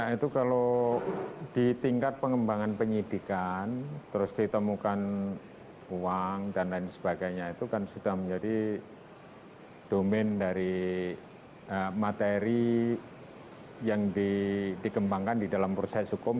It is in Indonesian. ya itu kalau di tingkat pengembangan penyidikan terus ditemukan uang dan lain sebagainya itu kan sudah menjadi domain dari materi yang dikembangkan di dalam proses hukum